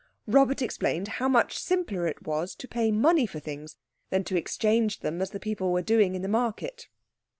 Robert explained how much simpler it was to pay money for things than to exchange them as the people were doing in the market.